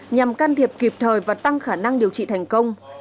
nhằm can thiệp kịp thời và tăng khả năng điều trị thành công